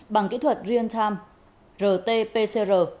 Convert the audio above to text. bằng kỹ thuật real time rt pcr